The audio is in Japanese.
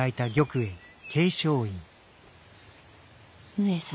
上様。